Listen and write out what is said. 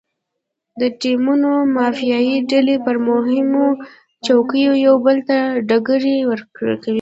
د ټیمونو مافیایي ډلې پر مهمو چوکیو یو بل ته ډغرې ورکوي.